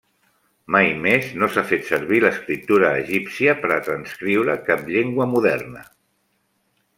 Mai més no s'ha fet servir l'escriptura egípcia per a transcriure cap llengua moderna.